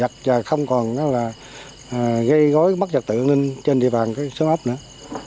còn nó là gây gói mất trật tự an ninh trên địa bàn sớm ấp nữa